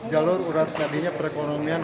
jalur urat media perekonomian